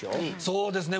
そうですね。